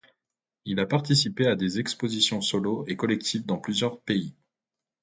Il a participé à des expositions solos et collectives dans plusieurs pays.